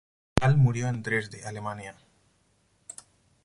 Dahl murió en Dresde, Alemania.